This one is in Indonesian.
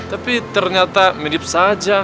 tapi ternyata mirip saja